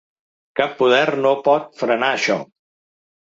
Cap poder no pot frenar això.